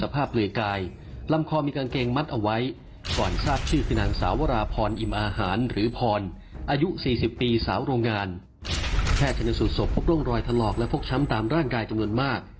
แพทย์ชนสูตรศพพบร่องรอยถลอกและฟกช้ำตามร่างกายจำนวนมาก